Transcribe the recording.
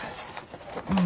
うん。